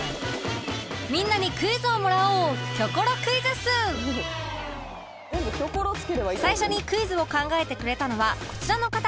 みんなにクイズをもらおう最初にクイズを考えてくれたのはこちらの方